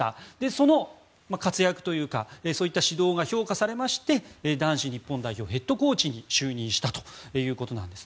その活躍というかそういった指導が評価されまして男子日本代表ヘッドコーチに就任したということです。